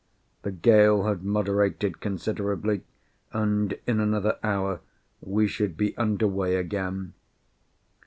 The gale had moderated considerably, and in another hour we should be under way again.